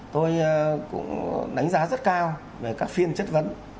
tôi cũng đánh giá rất cao về các phiên chất vấn